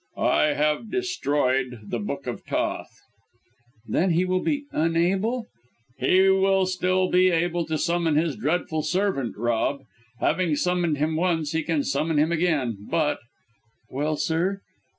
"I have destroyed the Book of Thoth!" "Then, he will be unable " "He will still be able to summon his dreadful servant, Rob. Having summoned him once, he can summon him again, but " "Well, sir?"